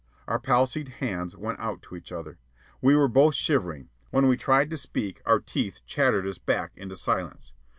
Our palsied hands went out to each other. We were both shivering. When we tried to speak, our teeth chattered us back into silence.